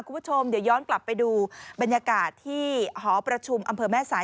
คุณผู้ชมเดี๋ยวย้อนกลับไปดูบรรยากาศที่หอประชุมอำเภอแม่สาย